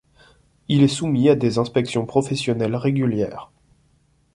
Il est soumis à des inspections professionnelles régulières.